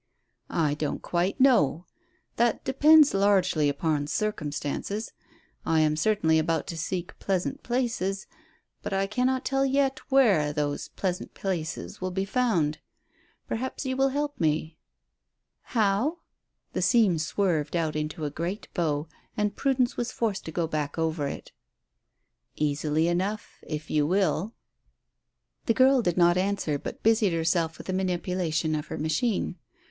"I don't quite know. That depends largely upon circumstances. I am certainly about to seek pleasant places, but I cannot tell yet where those pleasant places will be found. Perhaps you will help me." "How?" The seam swerved out into a great bow, and Prudence was forced to go back over it. "Easily enough, if you will." The girl did not answer, but busied herself with the manipulation of her machine.